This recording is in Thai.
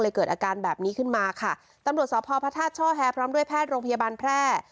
เกิดอาการแบบนี้ขึ้นมาค่ะตำรวจสพพระธาตุช่อแฮพร้อมด้วยแพทย์โรงพยาบาลแพร่